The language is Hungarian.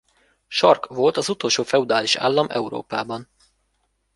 Sark volt az utolsó feudális állam Európában.